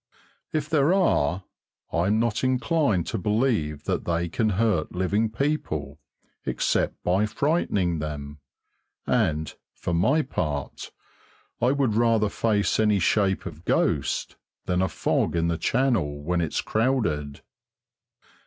If there are, I'm not inclined to believe that they can hurt living people except by frightening them, and, for my part, I would rather face any shape of ghost than a fog in the Channel when it's crowded.